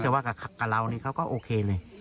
แต่ว่ากับเรานี่เขาก็โอเคเลย